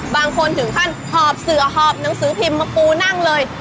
บางคนถึงขั้นหอบเสือหอบหนังสือพิมพ์มาปูนั่งเลย